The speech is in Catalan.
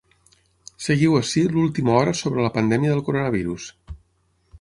Seguiu ací l’última hora sobre la pandèmia del coronavirus.